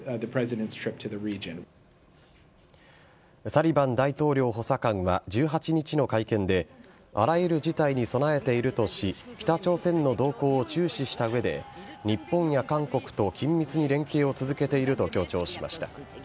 サリバン大統領補佐官は１８日の会見であらゆる事態に備えているとし北朝鮮の動向を注視した上で日本や韓国と緊密に連携を続けていると強調しました。